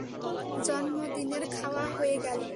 জন্মদিনের খাওয়া হয়ে গেল।